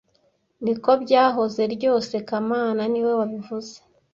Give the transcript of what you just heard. Niko byahoze ryose kamana niwe wabivuze